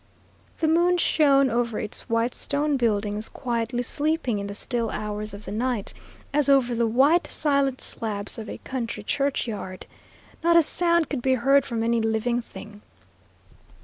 The moon shone over its white stone buildings, quietly sleeping in the still hours of the night, as over the white, silent slabs of a country churchyard. Not a sound could be heard from any living thing.